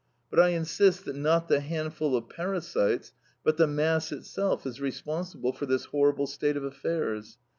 But I insist that not the handful of parasites, but the mass itself is responsible for this horrible state of affairs.